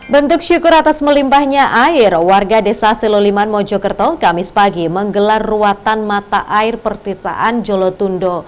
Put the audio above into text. bentuk syukur atas melimpahnya air warga desa seloliman mojokerto kamis pagi menggelar ruatan mata air pertitaan jolotundo